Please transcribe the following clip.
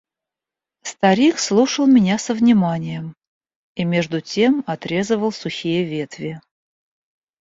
Старик слушал меня со вниманием и между тем отрезывал сухие ветви.